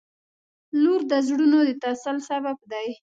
• لور د زړونو د تسل سبب دی.